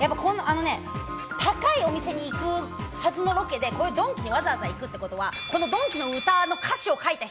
高いお店に行くはずのロケでドンキにわざわざ行くということは、ドンキの歌の歌詞を書いた人。